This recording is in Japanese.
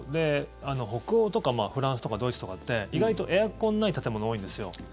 北欧とかフランスとかドイツとかって意外とエアコンがない建物が多いんですよ。